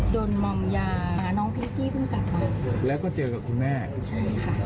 มอมยาน้องพิงกี้เพิ่งกลับมาแล้วก็เจอกับคุณแม่ค่ะ